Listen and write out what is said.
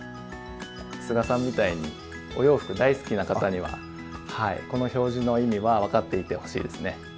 須賀さんみたいにお洋服大好きな方にはこの表示の意味は分かっていてほしいですね。